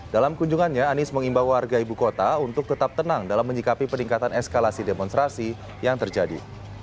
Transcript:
dalam kunjungannya anies mengimbau warga ibu kota untuk tetap tenang dalam menyikapi peningkatan eskalasi demonstrasi yang terjadi